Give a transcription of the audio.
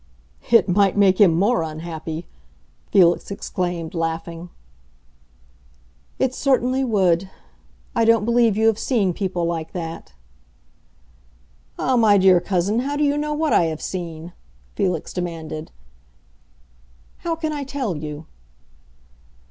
"It might make him more unhappy!" Felix exclaimed, laughing. "It certainly would. I don't believe you have seen people like that." "Ah, my dear cousin, how do you know what I have seen?" Felix demanded. "How can I tell you?"